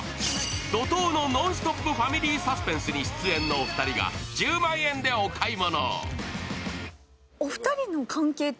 怒とうのノンストップファミリーサスペンスに出演のお二人が１０万円でお買い物。